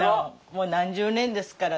もう何十年ですからね。